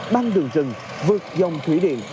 băng đường rừng vượt dòng thủy điện